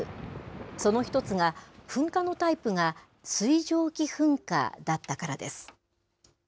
その１つが、噴火のタイプが水蒸気噴火だったからです。